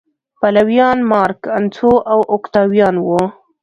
پلویان مارک انتو او اوکتاویان و